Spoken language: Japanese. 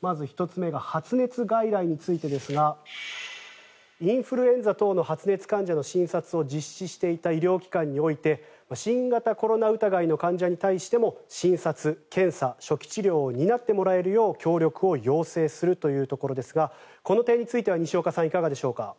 まず１つ目が発熱外来についてですがインフルエンザ等の発熱患者の診察を実施していた医療機関において新型コロナ疑いの患者に対しても診察・検査、初期治療を担ってもらえるよう協力を要請するということですがこの点については西岡さんいかがでしょうか？